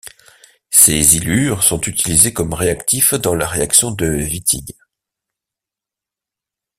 Ces ylures sont utilisés comme réactifs dans la réaction de Wittig.